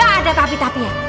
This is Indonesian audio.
nggak ada tapi tapi ya